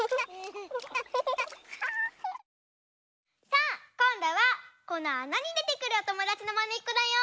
さあこんどはこのあなにでてくるおともだちのまねっこだよ！